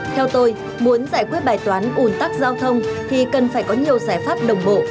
theo tôi muốn giải quyết bài toán ùn tắc giao thông thì cần phải có nhiều giải pháp đồng bộ